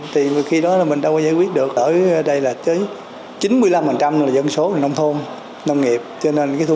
thì khi đó là mình đâu có giải quyết được ở đây là tới chín mươi năm là dân số là nông thôn nông nghiệp cho nên cái thu